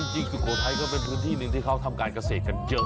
สุโขทัยก็เป็นพื้นที่หนึ่งที่เขาทำการเกษตรกันเยอะ